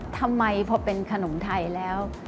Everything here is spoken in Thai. ทำไมพอเป็นขนมไทยแล้ว